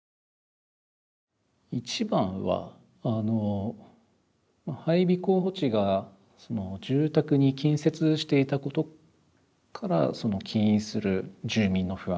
一番はあの配備候補地が住宅に近接していたことから起因する住民の不安。